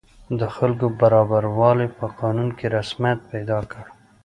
د خلکو برابروالی په قانون کې رسمیت پیدا کړ.